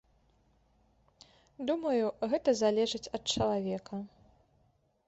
Думаю, гэта залежыць ад чалавека!